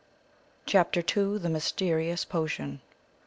CHAPTER II. THE MYSTERIOUS POTION.